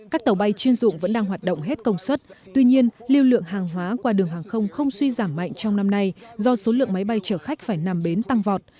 các tàu bay chuyên dụng vẫn đang hoạt động hết công suất tuy nhiên lưu lượng hàng hóa qua đường hàng không không suy giảm mạnh trong năm nay do số lượng máy bay chở khách phải nằm bến tăng vọt